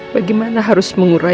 bagaimana harus mengurusnya